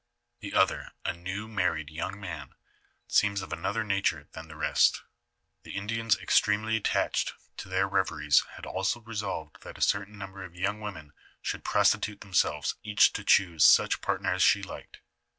The other, a new married young man, seems of an other nature than the rest. The Indians extremely attached to their reveries had resolved that a certain number of young women should prostitute themselves, each to choose such partner as she liked.